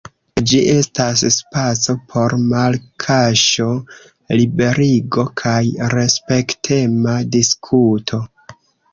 Ĝi estas spaco por malkaŝo, liberigo kaj respektema diskuto.